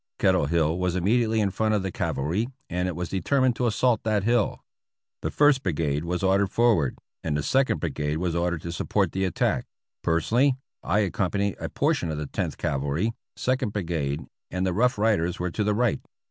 Kettle Hill was immediately in front of the Cavalry, and it was determined to assault that hill. The First Brigade was ordered forward, and the Second Brigade was ordered to support the attack ; personally, I accompanied a portion of the Tenth Cavalry, Second Brigade, and the Rough Riders were to the right.